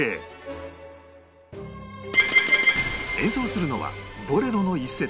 演奏するのは『ボレロ』の一節